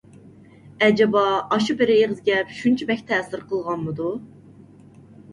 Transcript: ئەجەبا ئاشۇ بىر ئېغىز گەپ شۇنچە بەك تەسىر قىلغانمىدۇ؟